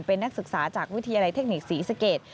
เป็นนักศึกษาจากวิทยาลัยเทคนิคศรีสเกต